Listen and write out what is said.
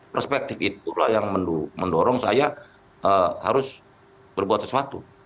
perspektif itulah yang mendorong saya harus berbuat sesuatu